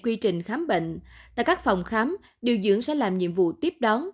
quy trình khám bệnh tại các phòng khám điều dưỡng sẽ làm nhiệm vụ tiếp đón